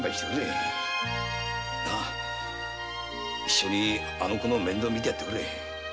一緒にあの子の面倒を見てやってくれ！